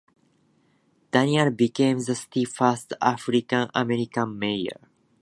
Daniels became the city's first African-American mayor.